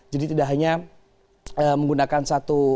jadi tidak hanya menggunakan satu